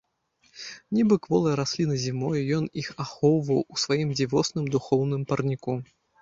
Нібы кволыя расліны зімою, ён іх ахоўваў у сваім дзівосным духоўным парніку.